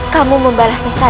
kamu membalasnya saja raden